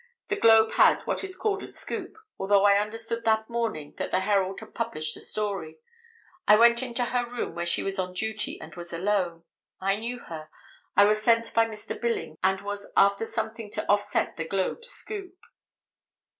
The Globe had what is called a 'scoop,' although I understood that morning that the Herald had published the story; I went into her room where she was on duty and was alone; I knew her; I was sent by Mr. Billings and was after something to offset the Globe's 'scoop.